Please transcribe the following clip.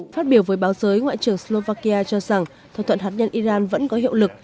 phát biểu với báo giới ngoại trưởng slovakia cho rằng thỏa thuận hạt nhân iran vẫn có hiệu lực